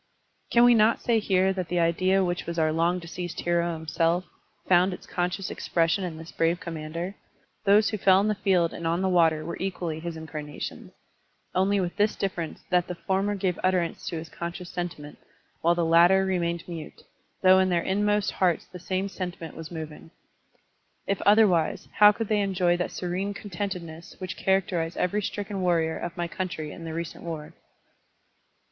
"* Can we not say here that the idea which was our long deceased hero himself, fotmd its conscious expression in this brave Commander? Those who fell in the field and on the water were equally his incarnations, only with this difference that the former gave utterance to his conscious sentiment, while the latter remained mute, though in their inmost hearts the same sentiment was moving. If otherwise, how cotdd they enjoy that serene contentedness which characterized every stricken warrior of my country in the recent war?